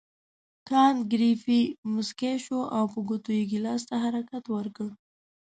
کانت ګریفي مسکی شو او په ګوتو یې ګیلاس ته حرکت ورکړ.